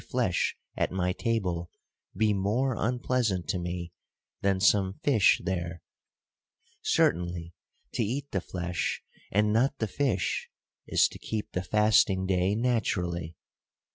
29 flesh at my table be more unpleasant to me, than some fish there, certainly to eat the flesh, and not the fish, is to keep the fasting day naturally.